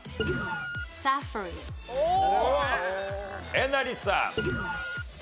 えなりさん。